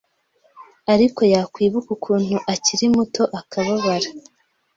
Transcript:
ariko yakwibuka ukuntu akiri muto akababara